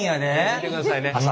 見てください。